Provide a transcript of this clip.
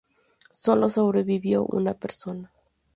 Solo sobrevivió una persona.